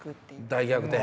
大逆転。